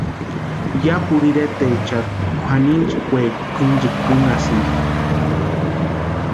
Yapuru iretecharhu kwʼaninchintskweeri kwʼinchikwa únhasïnti.